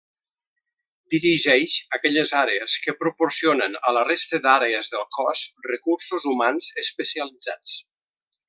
Dirigeix aquelles àrees que proporcionen a la resta d'àrees del cos recursos humans especialitzats.